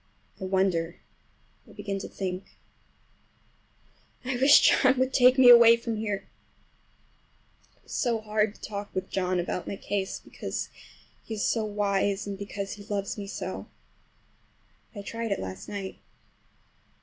I wonder—I begin to think—I wish John would take me away from here! It is so hard to talk with John about my case, because he is so wise, and because he loves me so. But I tried it last night.